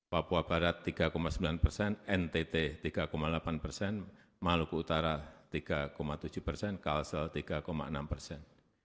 papua barat tiga sembilan persen ntt tiga delapan persen maluku utara tiga tujuh persen kalsel tiga enam persen